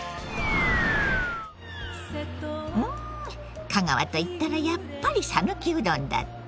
うん香川といったらやっぱり讃岐うどんだって？